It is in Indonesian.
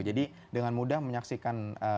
jadi dengan mudah menyaksikan